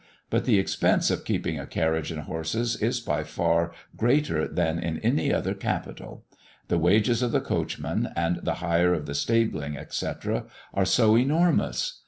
But the expense of keeping a carriage and horses is by far greater than in any other capital; the wages of the coachman, and the hire of the stabling, etc., are so enormous.